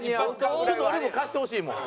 ちょっと俺も貸してほしいもん。